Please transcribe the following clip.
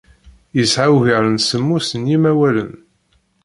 Yesɛa ugar n semmus n yimawalen.